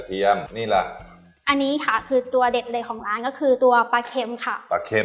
ทำไมเราต้องเลือกล่าหยองหรือว่าประเข็มจากทางใต้ล่ะ